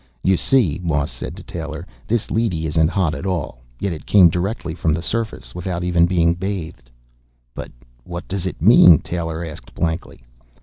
"You see," Moss said to Taylor, "this leady isn't hot at all. Yet it came directly from the surface, without even being bathed." "But what does it mean?" Taylor asked blankly.